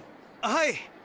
はい！